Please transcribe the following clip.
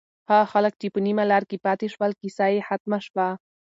هغه خلک چې په نیمه لاره کې پاتې شول، کیسه یې ختمه شوه.